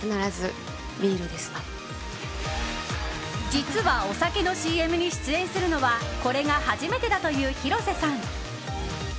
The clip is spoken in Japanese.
実はお酒のＣＭに出演するのはこれが初めてだという広瀬さん。